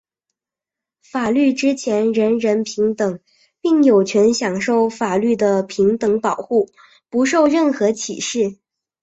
法律之前人人平等,并有权享受法律的平等保护,不受任何歧视。